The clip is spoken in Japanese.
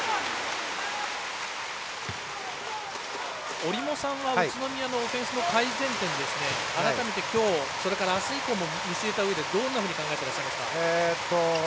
折茂さんは宇都宮のオフェンスの改善点、改めてきょうそれからあす以降を見据えたうえで、どんなふうに考えてらっしゃいますか。